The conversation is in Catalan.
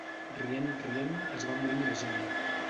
Rient, rient, es va morint la gent.